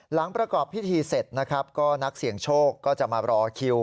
หลังประกอบพิธีเสร็จนะครับก็นักเสี่ยงโชคก็จะมารอคิว